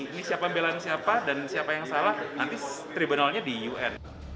ini siapa yang bela dan siapa yang salah nanti tribunalnya di un